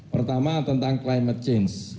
pertama tentang climate change